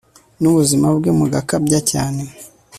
nubuzima bwe mugakabya cyane